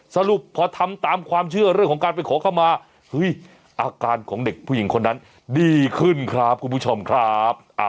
สรุปพอทำตามความเชื่อเรื่องของการไปขอเข้ามาเฮ้ยอาการของเด็กผู้หญิงคนนั้นดีขึ้นครับคุณผู้ชมครับ